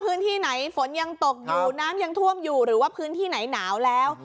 พื้นที่ไหนฝนยังตกอยู่น้ำยังท่วมอยู่หรือว่าพื้นที่ไหนหนาวแล้ว